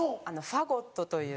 ファゴットという。